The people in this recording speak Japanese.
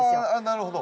なるほど。